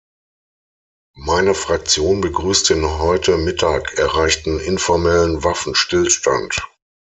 Meine Fraktion begrüßt den heute Mittag erreichten informellen Waffenstillstand.